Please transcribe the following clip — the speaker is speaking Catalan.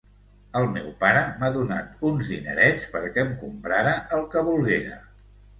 El meu pare m'ha donat uns dinerets perquè em comprara el que volguera.